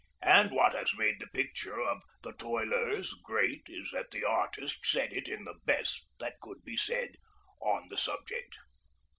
And what has made the picture of 'The Toilers' great is that the artist said in it the BEST that could be said on the subject."